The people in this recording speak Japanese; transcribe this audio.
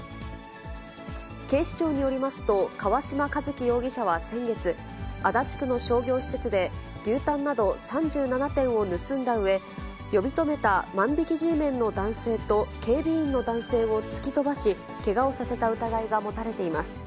警視庁によりますと、川嶋一輝容疑者は先月、足立区の商業施設で、牛タンなど３７点を盗んだうえ、呼び止めた万引きＧメンの男性と警備員の男性を突き飛ばし、けがをさせた疑いが持たれています。